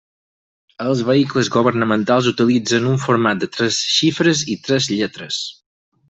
Els vehicles governamentals utilitzen un format de tres xifres i tres lletres.